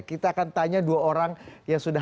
kita akan tanya dua orang yang sudah